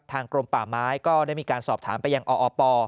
กรมป่าไม้ก็ได้มีการสอบถามไปยังออป